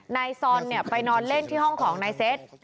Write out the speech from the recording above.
นายซอลเนี่ยไปนอนเล่นที่ห้องของในเซ็ต